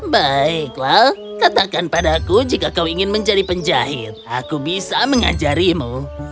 baiklah katakan padaku jika kau ingin menjadi penjahit aku bisa mengajarimu